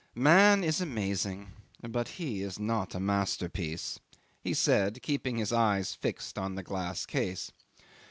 '"Man is amazing, but he is not a masterpiece," he said, keeping his eyes fixed on the glass case.